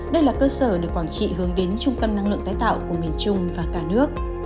đây là cơ sở để quảng trị hướng đến trung tâm năng lượng tái tạo của miền trung và cả nước